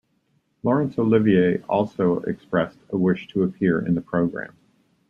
Laurence Olivier also expressed a wish to appear in the programme.